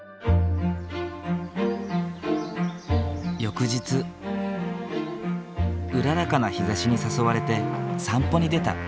翌日うららかな日ざしに誘われて散歩に出た。